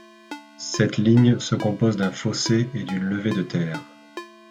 Cette ligne se compose d'un fossé et d'une levée de terre.